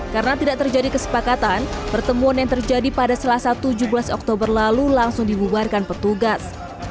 karena tidak terjadi kesepakatan pertemuan yang terjadi pada selasa tujuh belas oktober lalu langsung dibubarkan petugas